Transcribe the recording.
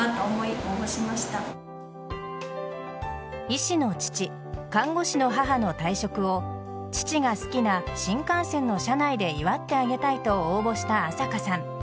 医師の父、看護師の母の退職を父が好きな新幹線の車内で祝ってあげたいと応募した麻香さん。